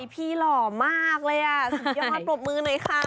หล่อมากเลยสุดยอดปรบมือหน่อยค่ะ